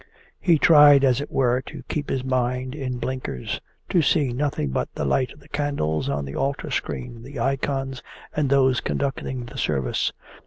He tried as it were to keep his mind in blinkers, to see nothing but the light of the candles on the altar screen, the icons, and those conducting the service.